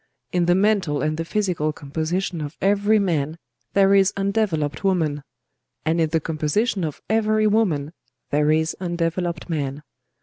In the mental and the physical composition of every man, there is undeveloped woman; and in the composition of every woman there is undeveloped man.